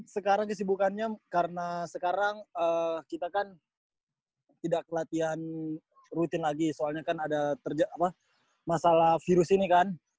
sekarang kesibukannya karena sekarang kita kan tidak latihan rutin lagi soalnya kan ada masalah virus ini kan